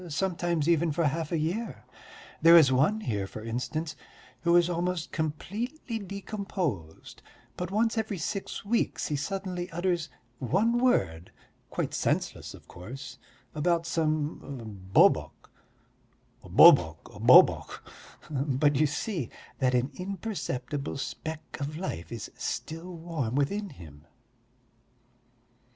sometimes even for half a year.... There is one here, for instance, who is almost completely decomposed, but once every six weeks he suddenly utters one word, quite senseless of course, about some bobok, 'Bobok, bobok,' but you see that an imperceptible speck of life is still warm within him."